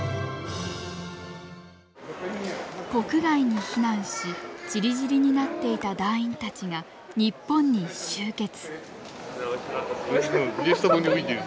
国外に避難しちりぢりになっていた団員たちが日本に集結。